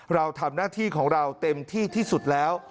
เราทำหน้าที่ของเราเต็มที่ที่สุดแล้ว